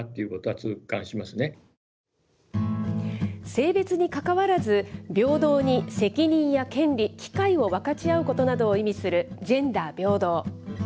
性別にかかわらず、平等に責任や権利、機会を分かち合うことなどを意味するジェンダー平等。